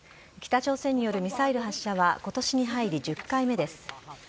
北朝鮮によるミサイル発射はことしに入り１０回目です。